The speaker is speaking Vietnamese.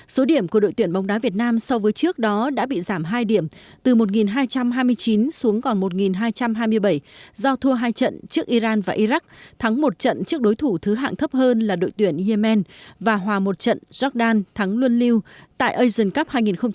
số điểm của đội tuyển bóng đá việt nam so với trước đó đã bị giảm hai điểm từ một hai trăm hai mươi chín xuống còn một hai trăm hai mươi bảy do thua hai trận trước iran và iraq thắng một trận trước đối thủ thứ hạng thấp hơn là đội tuyển yemen và hòa một trận jordan thắng luân liêu tại asian cup hai nghìn một mươi tám